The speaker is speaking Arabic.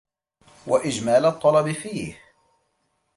وَإِجْمَالَ الطَّلَبِ فِيهِ